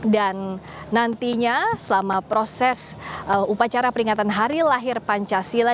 dan nantinya selama proses upacara peringatan hari lahir pancasila